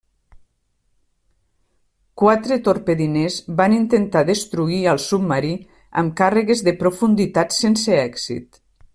Quatre torpediners van intentar destruir al submarí amb càrregues de profunditat sense èxit.